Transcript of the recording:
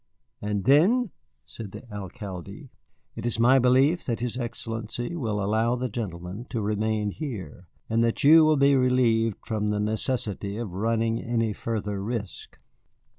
"And then?" said the Alcalde. "It is my belief that his Excellency will allow the gentleman to remain here, and that you will be relieved from the necessity of running any further risk."